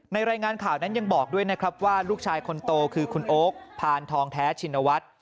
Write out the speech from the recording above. รายงานข่าวนั้นยังบอกด้วยนะครับว่าลูกชายคนโตคือคุณโอ๊คพานทองแท้ชินวัฒน์